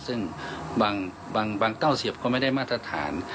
ซึ่งบางเต้าเสียบก็ไม่ได้มาตรฐาน